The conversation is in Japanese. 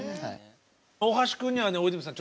大橋くんにはね大泉さん